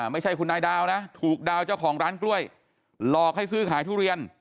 ไม่ใช่คุณนายดาวนะถูกดาวเจ้าของร้านกล้วยหลอกให้ซื้อขายทุเรียน